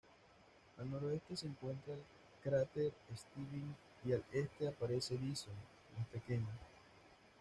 Al noroeste se encuentra el cráter Stebbins, y al este aparece Dyson, más pequeño.